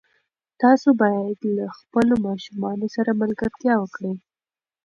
تاسو باید له خپلو ماشومانو سره ملګرتیا وکړئ.